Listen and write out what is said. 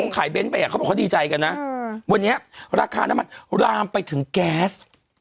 ขายเน้นไปอ่ะเขาบอกเขาดีใจกันนะวันนี้ราคาน้ำมันรามไปถึงแก๊ส